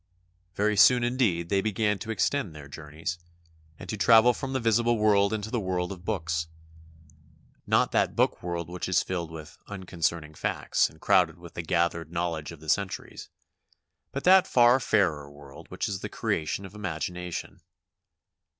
Very soon indeed they began to extend their jour neys and to travel from the visible world into the world of books, not that book world which is filled with " unconcerning facts" and crowded with the gathered knowledge of the centuries, but that far fairer world which is the creation of imagination.